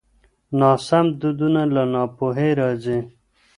ناسم دودونه له ناپوهۍ راځي.